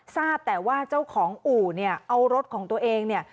ทราบแต่ว่าเจ้าของอู่เนี่ยเอารถของตัวเองเนี่ย